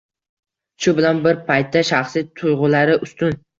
Shu bilan bir paytda, shaxsiy tuygʻulari ustun.